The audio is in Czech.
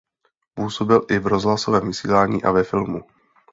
Působil i v rozhlasovém vysílání a ve filmu.